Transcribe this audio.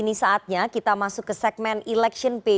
di sanggupan jokowi